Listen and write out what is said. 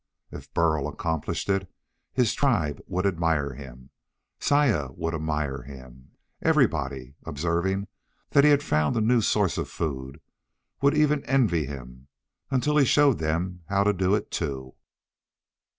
If Burl accomplished it, his tribe would admire him. Saya would admire him. Everybody, observing that he had found a new source of food, would even envy him until he showed them how to do it too.